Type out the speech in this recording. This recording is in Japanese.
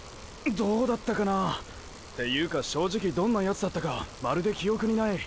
どうだったかなっていうか正直どんなヤツだったかまるで記憶にない。